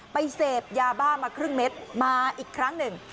เสพยาบ้ามาครึ่งเม็ดมาอีกครั้งหนึ่ง